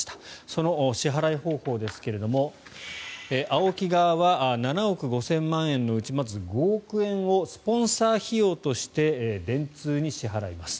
その支払い方法ですがＡＯＫＩ側は７億５０００万円のうちまず５億円をスポンサー費用として電通に支払います。